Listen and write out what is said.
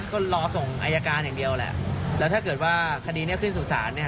ก็รอส่งอายการอย่างเดียวแหละแล้วถ้าเกิดว่าคดีนี้ขึ้นสู่ศาลเนี่ย